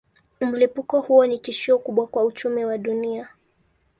Mlipuko huo ni tishio kubwa kwa uchumi wa dunia.